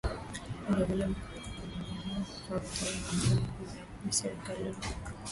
Vile vile Mkoa huu umejaliwa kutoa viongozi wa ngazi za juu Serikalini